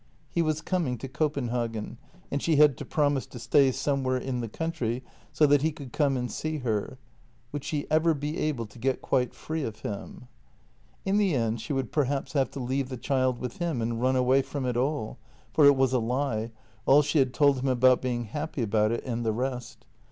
He was coming to Copenhagen, and she had to promise to stay somewhere in the country so that he could come and see her. Would she ever be able to get quite free of him? In the end she would perhaps have to leave the child with him and run away from it all — for it was a lie, all she had told him about being happy about it and the rest.